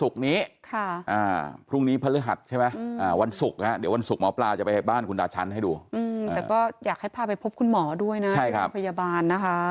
ก็เป็นไปได้ทั้งนั้น